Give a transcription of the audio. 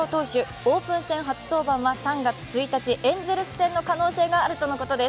オープン戦初登板は３月１日、エンゼルス戦の可能性があるとのことです。